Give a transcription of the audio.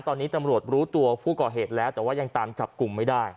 ตอนนี้ตำรวจรู้ตัวผู้ก่อเหตุแล้วแต่ว่ายังตามจับกลุ่มไม่ได้